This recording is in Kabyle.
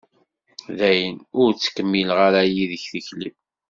Dayen, ur ttkemmileɣ ara yid-k tikli.